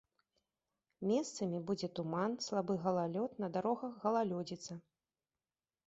Месцамі будзе туман, слабы галалёд, на дарогах галалёдзіца.